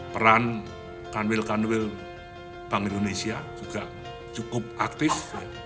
peran kanwil kanwil bank indonesia juga cukup aktif